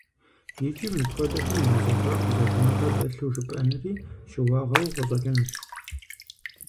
Икӏи мыпхуэдэхэм я зэхуаку зэкӏуныгъэ дэлъу жыпӏэнри щыуагъэу къыщӏэкӏынущ.